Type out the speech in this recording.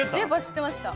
知ってました。